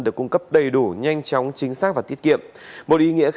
được cung cấp đầy đủ nhanh chóng chính xác và tiết kiệm